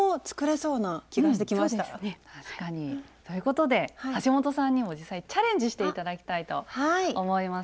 そうですね。ということで橋本さんにも実際チャレンジして頂きたいと思います。